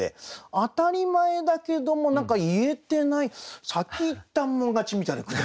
当たり前だけども何か言えてない先言ったもん勝ちみたいな句だったという。